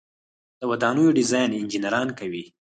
د ودانیو ډیزاین انجنیران کوي